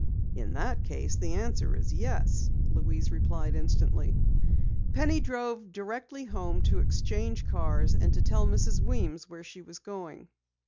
"In that case the answer is 'yes,'" Louise replied instantly. Penny drove directly home to exchange cars and tell Mrs. Weems where she was going.